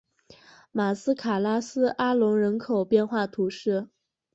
马斯卡拉斯阿龙人口变化图示